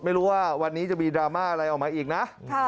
ไม่รู้ว่าวันนี้จะมีดราม่าอะไรออกมาอีกนะ